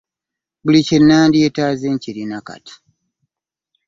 Buli kye nandyetaaze nkirina kati.